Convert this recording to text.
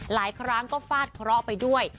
หลายครั้งก็ฝาดครอบไปด้วย